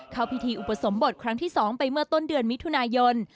เข้าพิธีอุปสมบทครั้งที่๒ไปเมื่อต้นเดือนมิถุนายน